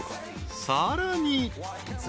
［さらに］